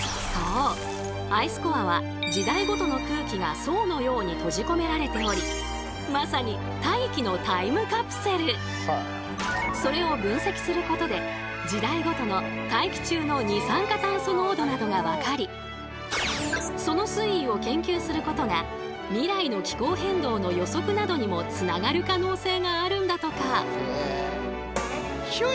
アイスコアは時代ごとの空気が層のように閉じ込められておりまさにそれを分析することでその推移を研究することが未来の気候変動の予測などにもつながる可能性があるんだとか！